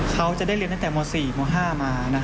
เขาจะได้เรียนตั้งแต่ม๔ม๕มา